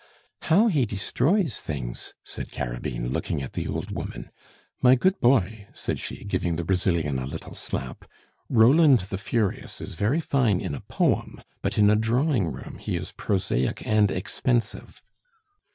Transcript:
"How he destroys things!" said Carabine, looking at the old woman. "My good boy," said she, giving the Brazilian a little slap, "Roland the Furious is very fine in a poem; but in a drawing room he is prosaic and expensive."